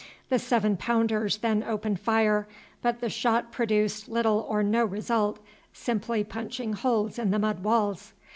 The seven pounders then opened fire, but the shot produced little or no result, simply punching holes in the mud walls.